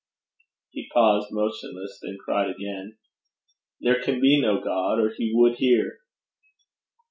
He paused, motionless, then cried again: 'There can be no God, or he would hear.'